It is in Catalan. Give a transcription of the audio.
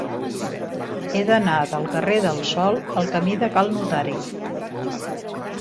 He d'anar del carrer del Sol al camí de Cal Notari.